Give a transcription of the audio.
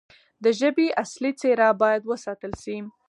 د ژبې اصلي څیره باید وساتل شي.